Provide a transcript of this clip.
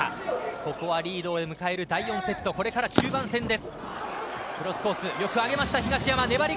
ここはリードで迎える第４セット中盤戦です。